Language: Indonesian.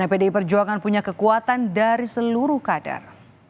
perjuangan punya kekuatan dari seluruh kadar